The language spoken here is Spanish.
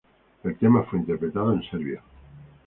El tema fue interpretado en serbio.